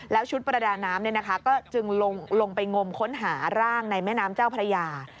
แล้วชุดประดาน้ำก็จึงลงไปงมค้นหาร่างในแม่น้ำเจ้าพระยา